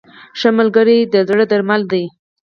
• ښه ملګری د زړه درمل دی.